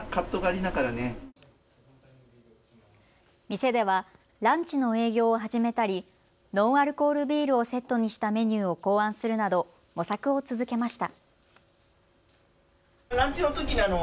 店ではランチの営業を始めたりノンアルコールビールをセットにしたメニューを考案するなど模索を続けました。